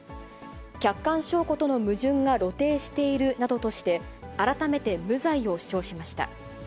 客観証拠との矛盾が露呈しているなどとして、改めて無罪を主張しました。